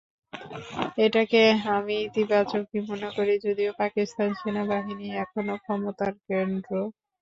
এটাকে আমি ইতিবাচকই মনে করি, যদিও পাকিস্তানে সেনাবাহিনীই এখনো ক্ষমতার কেন্দ্র।